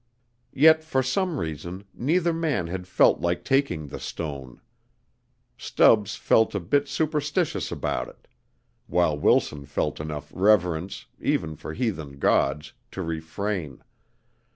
Yet for some reason neither man had felt like taking the stone. Stubbs felt a bit superstitious about it, while Wilson felt enough reverence, even for heathen gods, to refrain.